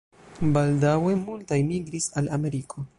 Baldaŭe multaj migris al Ameriko.